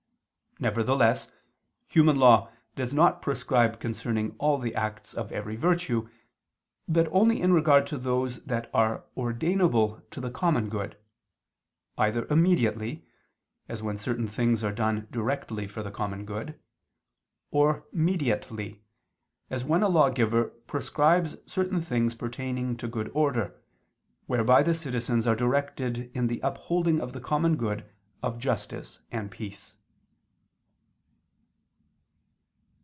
Nevertheless human law does not prescribe concerning all the acts of every virtue: but only in regard to those that are ordainable to the common good either immediately, as when certain things are done directly for the common good or mediately, as when a lawgiver prescribes certain things pertaining to good order, whereby the citizens are directed in the upholding of the common good of justice and peace.